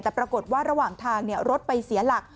แต่ปรากฏว่าระหว่างทางรถไปเสียหลัก